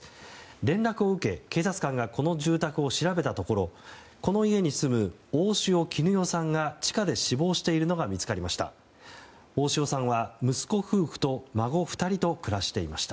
連絡を受け、警察官がこの住宅を調べたところ、この家に住む大塩衣興さんが地下で死亡しているのが見つかりました。